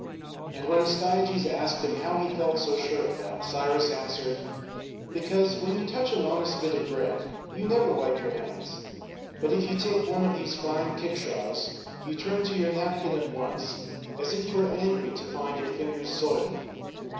And when Astyages asked him how he felt so sure of that, Cyrus answered, "Because when you touch an honest bit of bread you never wipe your hands, but if you take one of these fine kickshaws you turn to your napkin at once, as if you were angry to find your fingers soiled."